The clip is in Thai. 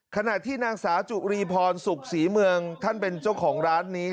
ขณะที่นางสาวจุรีพรสุขศรีเมืองท่านเป็นเจ้าของร้านนี้